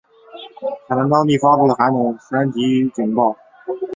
海南当地发布了寒冷三级警报。